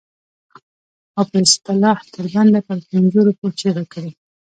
او په اصطلاح تر بنده په پنځو روپو چیغه کړي.